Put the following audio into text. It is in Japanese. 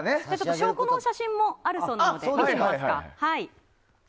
証拠の写真もあるそうなので見てみますか。